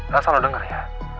rasanya lo denger ya